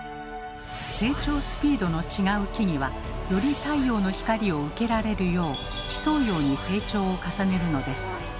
成長スピードの違う木々はより太陽の光を受けられるよう競うように成長を重ねるのです。